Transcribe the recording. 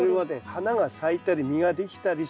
花が咲いたり実ができたりする。